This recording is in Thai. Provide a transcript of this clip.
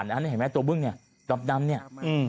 นี่เห็นไหมตัวบึ้งเนี่ยดำเนี่ย